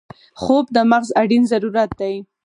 خوب د مغز اړین ضرورت دی